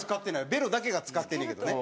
べろだけが浸かってんねんけどね。